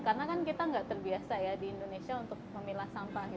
karena kan kita tidak terbiasa di indonesia untuk memilah sampah